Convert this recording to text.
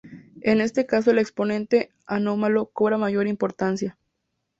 En este caso el exponente anómalo cobra mayor importancia.